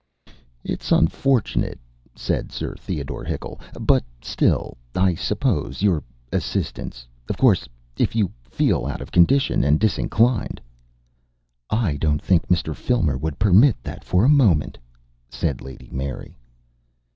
"It's unfortunate," said Sir Theodore Hickle; "but still I suppose Your assistants Of course, if you feel out of condition and disinclined " "I don't think Mr. Filmer would permit THAT for a moment," said Lady Mary.